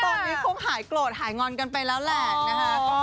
ตอนนี้คงหายโกรธหายงอนกันไปแล้วแหละนะคะ